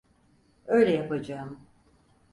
Öyle yapacağım.